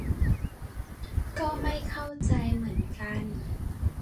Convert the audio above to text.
ก็ไม่เข้าใจเหมือนกัน